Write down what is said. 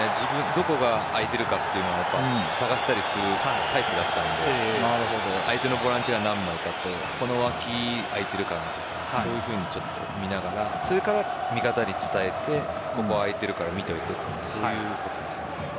どこが空いてるかというのは探したりするタイプだったので相手のボランチが何枚だとこの脇、空いてるかなとかそういうふうに見ながらそれから味方に伝えてここ空いてるから見といてとかそういうことです。